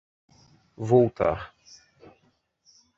Voltar